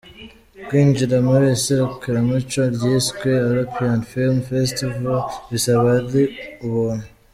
Kwinjira muri iri serukiramuco ryiswe “European Film Festival” bizaba ari ubuntu.